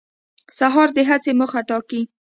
سهار د هڅې موخه ټاکي.